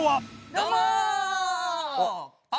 どうも。